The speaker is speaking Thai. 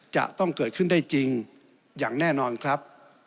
จะต้องเกิดขึ้นได้จริงอย่างแน่นอนครับ